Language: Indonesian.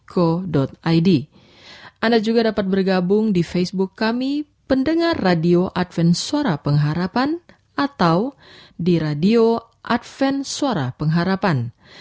salam dan doa kami menyertai anda sekalian